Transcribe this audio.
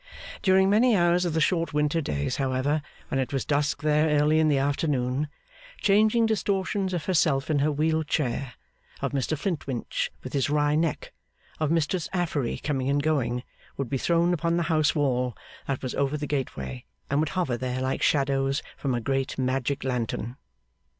During many hours of the short winter days, however, when it was dusk there early in the afternoon, changing distortions of herself in her wheeled chair, of Mr Flintwinch with his wry neck, of Mistress Affery coming and going, would be thrown upon the house wall that was over the gateway, and would hover there like shadows from a great magic lantern.